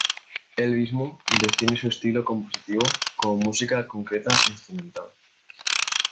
Él mismo define su estilo compositivo como "música concreta instrumental".